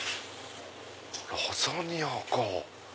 ラザニアか。